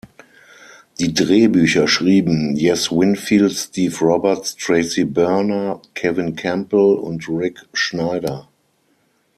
Die Drehbücher schrieben Jess Winfield, Steve Roberts, Tracy Berna, Kevin Campbell und Rick Schneider.